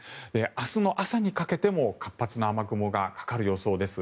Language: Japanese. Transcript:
明日の朝にかけても活発な雨雲がかかる予想です。